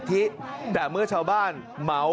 คนที่ไม่เข้าแถวจะไม่ได้นะครับ